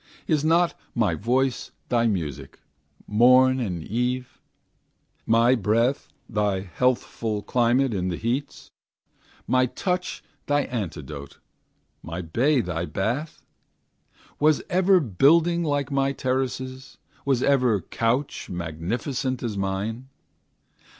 Is not my voice thy music, morn and eve? My breath thy healthful climate in the heats, My touch thy antidote, my bay thy bath? Was ever building like my terraces? Was ever couch magnificent as mine?